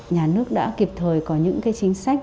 nhà nước đã kịp thời có những cái chính sách